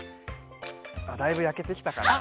あっだいぶやけてきたかな。